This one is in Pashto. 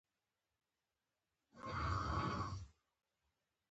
په افغانستان کې د قومونه بېلابېلې او ډېرې ګټورې منابع شته.